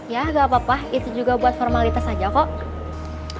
ya gak apa apa itu juga buat formalitas aja kok